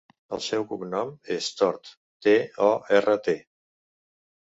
El seu cognom és Tort: te, o, erra, te.